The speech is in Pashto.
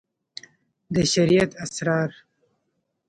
د شريعت اسرار